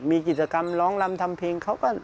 มีกิจกรรมร้องรำทำเพลง